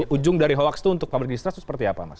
ujung dari hoax itu untuk public distrust itu seperti apa mas